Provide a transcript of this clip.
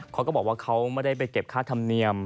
เขาก็บอกว่าเขาไม่ได้ไปเก็บค่าธรรมเนียม